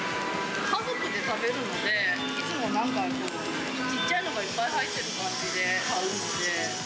家族で食べるので、いつもなんか、ちっちゃいのがいっぱい入ってる感じで買うんで。